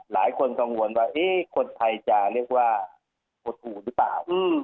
หลายคนตังหวนว่าเอ๊ะคนไทยจะเรียกว่าหัวถูกหรือเปล่าอืม